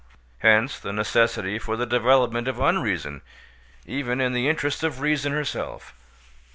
Hence the necessity for the development of unreason, even in the interests of reason herself.